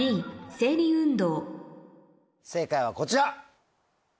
正解はこちら。